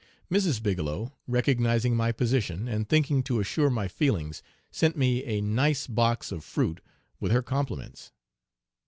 Mrs. Bigelow, recognizing my position, and thinking to assure my feelings, sent me a nice box of fruit with her compliments.'